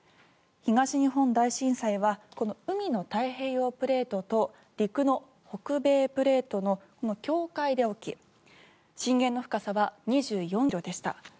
東日本大震災はこの海の太平洋プレートと陸の北米プレートの境界で起き震源の深さは２４ｋｍでした。